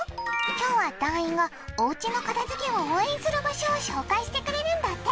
今日は団員がおうちの片付けを応援する場所を紹介してくれるんだって。